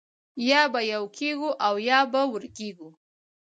یا به یو کېږو او یا به ورکېږو